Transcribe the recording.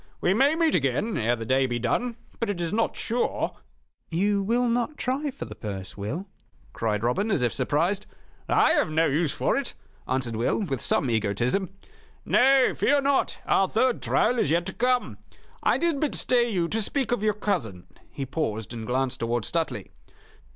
"We may meet again ere the day be done; but it is not sure " "You will not try for the purse, Will?" cried Robin, as if surprised. "I have no use for it," answered Will, with some egotism, "Nay, fear not, our third trial is yet to come. I did but stay you to speak of your cousin " He paused, and glanced towards Stuteley.